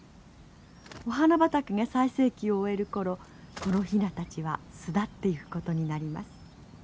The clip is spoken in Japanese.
お花畑が最盛期を終える頃このヒナたちは巣立っていくことになります。